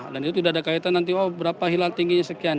dan itu sudah ada kaitan nanti oh berapa hilal tingginya sekian